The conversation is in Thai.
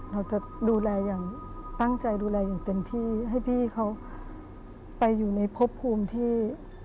เราจะดูแลอย่างตั้งใจดูแลอย่างเต็มที่ให้พี่เขาไปอยู่ในพบภูมิที่